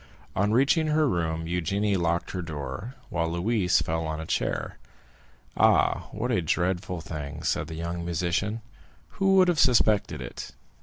On reaching her room Eugénie locked her door, while Louise fell on a chair. "Ah, what a dreadful thing," said the young musician; "who would have suspected it?